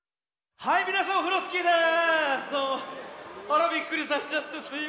はいみなさんオフロスキーです。